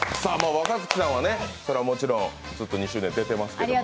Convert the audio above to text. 若槻さんはもちろんずっと２周年、出てますけど。